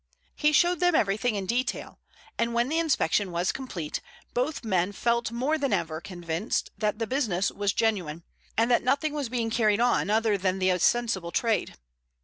He showed them everything in detail, and when the inspection was complete both men felt more than ever convinced that the business was genuine, and that nothing was being carried on other than the ostensible trade.